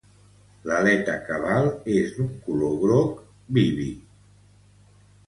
L'aleta cabal és d'un color groc vívid.